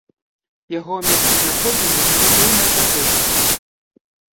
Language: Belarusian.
Яго месцазнаходжанне невядомае дагэтуль.